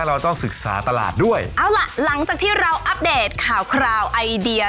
เราต้องศึกษาตลาดด้วยเอาล่ะหลังจากที่เราอัปเดตข่าวคราวไอเดีย